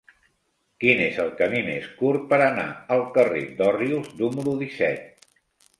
Quin és el camí més curt per anar al carrer d'Òrrius número disset?